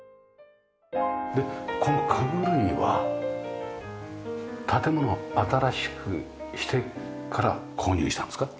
でこの家具類は建物新しくしてから購入したんですか？